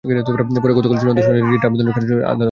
পরে গতকাল চূড়ান্ত শুনানি নিয়ে রিট আবেদনটি খারিজ করে দেন আদালত।